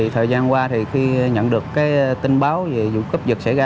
thời gian qua khi nhận được tin báo về dụng cấp dựt xảy ra